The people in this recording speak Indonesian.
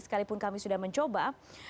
sekalipun kami sudah mencoba